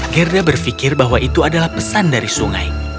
gerda berpikir bahwa itu adalah pesan dari sungai